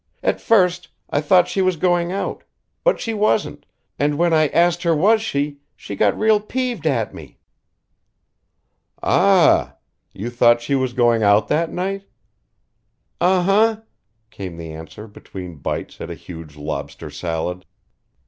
At first I thought she was going out but she wasn't, and when I asked her was she, she got real peeved at me." "Aa a h! You thought she was going out that night?" "Uh huh," came the answer between bites at a huge lobster salad.